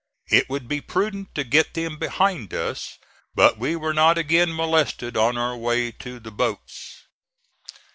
It would be prudent to get them behind us; but we were not again molested on our way to the boats.